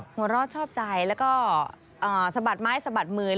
หัวเราะชอบใจแล้วก็สะบัดไม้สะบัดมือ